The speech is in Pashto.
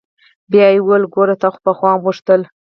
بيا يې وويل ګوره تا خو پخوا هم غوښتل.